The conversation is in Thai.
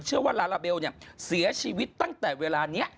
ว่าลาลาเบลเสียชีวิตตั้งแต่เวลานี้